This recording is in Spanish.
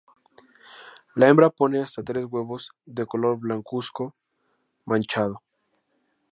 La hembra pone hasta tres huevos de color blancuzco manchado.